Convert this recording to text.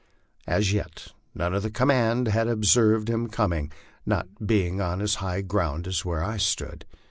As yet none of the command had observed his coming, not being on as high ground as where I stood.